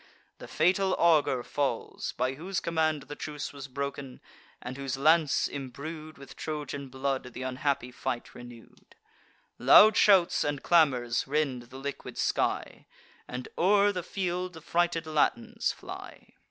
The fatal augur falls, by whose command The truce was broken, and whose lance, embrued With Trojan blood, th' unhappy fight renew'd. Loud shouts and clamours rend the liquid sky, And o'er the field the frighted Latins fly.